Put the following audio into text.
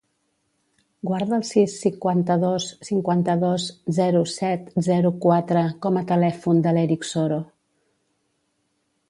Guarda el sis, cinquanta-dos, cinquanta-dos, zero, set, zero, quatre com a telèfon de l'Erik Soro.